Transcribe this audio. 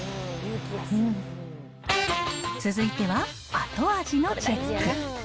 続いては後味のチェック。